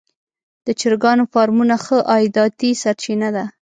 د چرګانو فارمونه ښه عایداتي سرچینه ده.